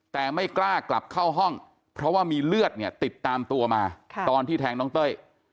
แต่ไม่กล้ากลับเข้าห้องเพราะว่ามีเลือดเนี่ยติดตามตัวมาตอนที่แทงน้องเต้ย